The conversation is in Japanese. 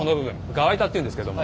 側板っていうんですけども。